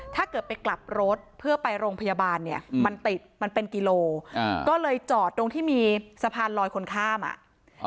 ถ้าเกิดไปกลับรถเพื่อไปโรงพยาบาลเนี่ยมันติดมันเป็นกิโลก็เลยจอดตรงที่มีสะพานลอยคนข้ามอ่ะ